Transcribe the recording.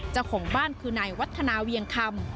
เจ้าของบ้านคือนายวัฒนาเวียงคำ